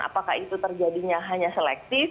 apakah itu terjadinya hanya selektif